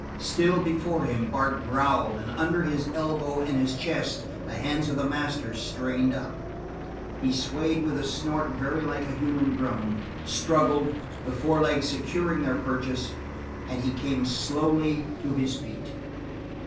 Still before him Bart growled and under his elbow and his chest the hands of the master strained up. He swayed with a snort very like a human groan, struggled, the forelegs secured their purchase, and he came slowly to his feet.